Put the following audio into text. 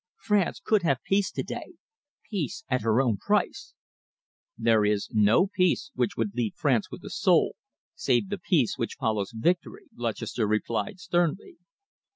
France could have peace today, peace at her own price." "There is no peace which would leave France with a soul, save the peace which follows victory," Lutchester replied sternly.